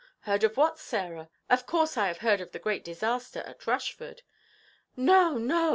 "Heard of what, Sarah? Of course I have heard of the great disaster at Rushford." "No, no.